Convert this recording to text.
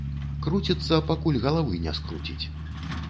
Круціцца, пакуль галавы не скруціць.